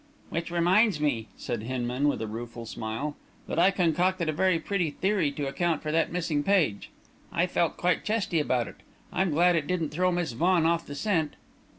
"Which reminds me," said Hinman, with a rueful smile, "that I concocted a very pretty theory to account for that missing page. I felt quite chesty about it! I'm glad it didn't throw Miss Vaughan off the scent!"